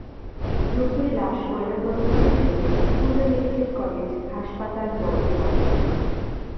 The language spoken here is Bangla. দুপুরে লাশ ময়নাতদন্তের জন্য খুলনা মেডিকেল কলেজ হাসপাতাল মর্গে পাঠানো হয়।